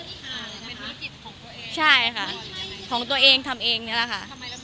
ธุรกิจของตัวเองใช่ค่ะของตัวเองทำเองนี่แหละค่ะ